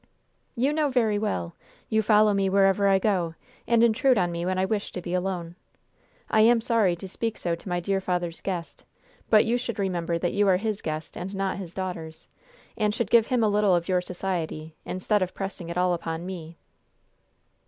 "You know very well; you follow me wherever I go, and intrude on me when I wish to be alone. I am sorry to speak so to my dear father's guest; but you should remember that you are his guest and not his daughter's, and should give him a little of your society, instead of pressing it all upon me!"